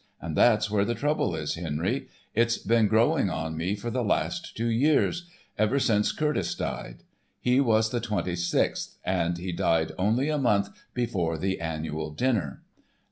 And that's where the trouble is, Henry. It's been growing on me for the last two years—ever since Curtice died. He was the twenty sixth. And he died only a month before the Annual Dinner.